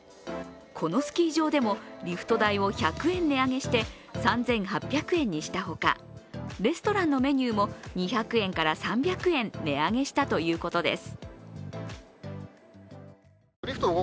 このスキー場でもリフト代を１００円値上げして３８００円にしたほかレストランのメニューも２００円から３００円値上げしたということです。